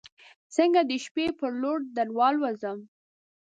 څنګه د شپې پر لور دروالوزم